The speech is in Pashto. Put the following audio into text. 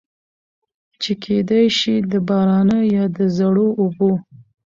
چې کېدے شي د بارانۀ يا د زړو اوبو